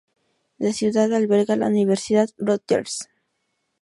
La ciudad alberga la Universidad Rutgers.